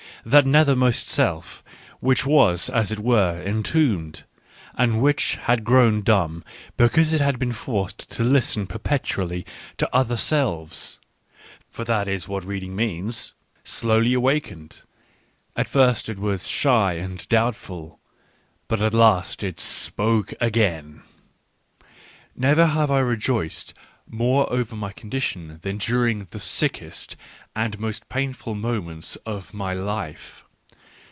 (That nethermost self, which was, as it were, entombed, and which had grown dumb because it had been forced to listen perpetu ally to other selves (for that is what reading means !), slowly awakened ; at first it was shy and doubtful, but at last it spoke agaitis Never have I rejoiced more over my condition tnan during the sickest and most painful moments of my life.